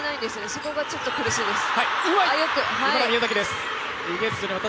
そこがちょっと苦しいです。